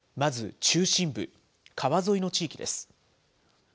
まず、中心部、川沿いの地域です。